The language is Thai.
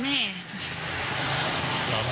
รอแม่จากนี้ด้วย